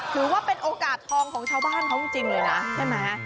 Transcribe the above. ถือว่าเป็นโอกาสทองของชาวบ้านเขาจริงเลยนะใช่ไหม